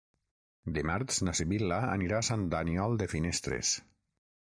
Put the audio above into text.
Dimarts na Sibil·la anirà a Sant Aniol de Finestres.